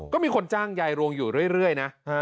ก็มีคนจ้างยายรวงอยู่เรื่อยนะ